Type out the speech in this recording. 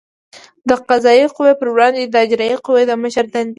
د قضایه قوې پر وړاندې د اجرایه قوې د مشر دندې